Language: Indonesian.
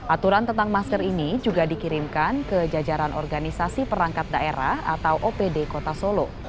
aturan tentang masker ini juga dikirimkan ke jajaran organisasi perangkat daerah atau opd kota solo